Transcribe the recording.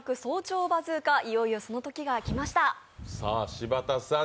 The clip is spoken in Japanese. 柴田さん